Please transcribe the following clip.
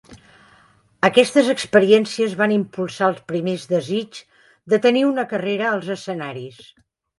Aquestes experiències van impulsar els primers desigs de tenir una carrera als escenaris.